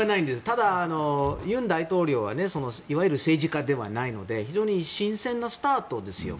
ただ、尹大統領はいわゆる政治家ではないので非常に新鮮なスタートですよ。